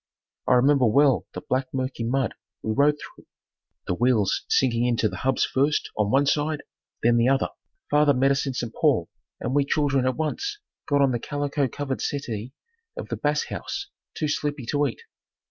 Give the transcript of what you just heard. I remember well the black mucky mud we rode through, the wheels sinking in to the hubs first on one side then the other. Father met us in St. Paul and we children at once got on the calico covered settee of the Bass House, too sleepy to eat.